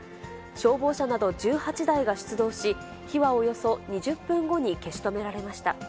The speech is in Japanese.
消防車など１８台が出動し、火はおよそ２０分後に消し止められました。